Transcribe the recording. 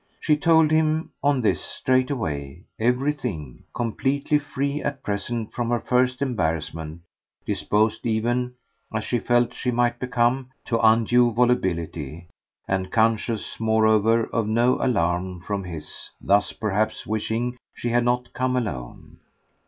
She told him, on this, straightway, everything; completely free at present from her first embarrassment, disposed even as she felt she might become to undue volubility, and conscious moreover of no alarm from his thus perhaps wishing she had not come alone.